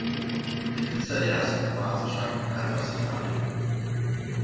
Die Künstler der ersten Phase stammten alle aus Italien.